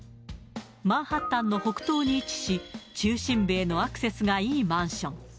マンハッタンの北東に位置し、中心部へのアクセスがいいマンション。